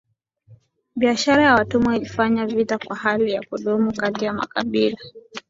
Biashara ya watumwa ilifanya vita kuwa hali ya kudumu kati ya makabila